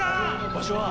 場所は？